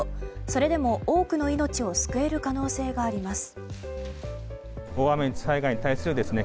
それでも多くの命を救える可能性があります。